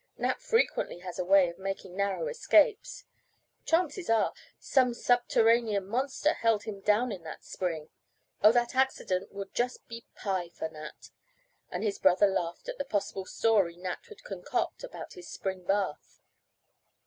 Nat frequently has a way of making narrow escapes. Chances are, some subterranean monster held him down in that spring. Oh, that accident will just be pie for Nat," and his brother laughed at the possible story Nat would concoct about his spring bath.